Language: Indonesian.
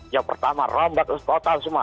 yang pertama rombak total semua